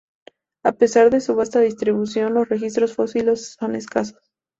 A pesar de su vasta distribución los registros fósiles son escasos.